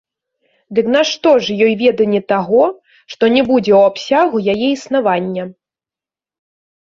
Дык нашто ж ёй веданне таго, што не будзе ў абсягу яе існавання?